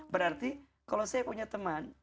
berarti kalau saya punya teman